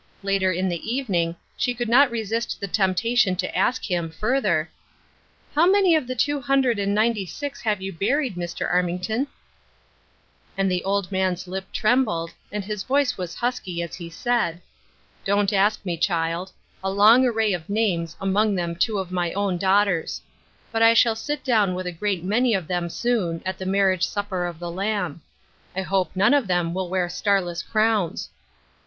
Later in the evening, she could not resist the temptation to ask him, further: " How many of the two hundred and ninety six have you buried, Dr. Armington ?" And the old man's lip trembled, and his voice was husky, as he said :" Don't ask me, child. A long array of names, among them two of my own daughters. But I shall sit down with a great many of them soon, at 'the marriage supper of the Lamb.' I hope none of them will wear starless crowns."